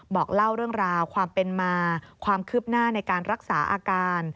บอกเล่าเรื่องราวความเป็นมาความคืบหน้าในการรักษาอาการ